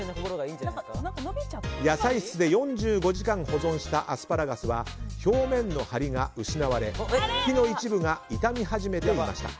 野菜室で４５時間保存したアスパラガスは表面の張りが失われ茎の一部がいたみ始めていました。